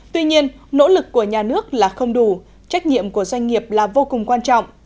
tuy nhiên nỗ lực của nhà nước là không đủ trách nhiệm của doanh nghiệp là vô cùng quan trọng